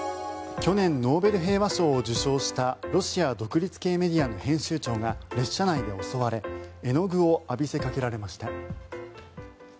去年、ノーベル平和賞を受賞したロシア独立系メディアの編集長が列車内で襲われ絵の具を浴びせかけられました。